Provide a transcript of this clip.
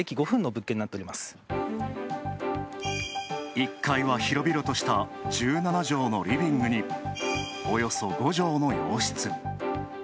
１階は広々とした１７畳のリビングに、およそ５畳の洋室。